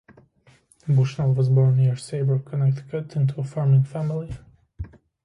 Bushnell was born near Saybrook, Connecticut into a farming family.